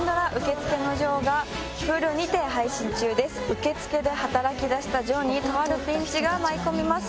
受付で働きだした城にとあるピンチが舞い込みます。